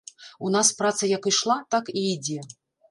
У нас праца як ішла, так і ідзе.